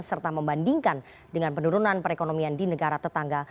serta membandingkan dengan penurunan perekonomian di negara tetangga